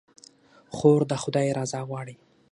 خور د خدای رضا غواړي.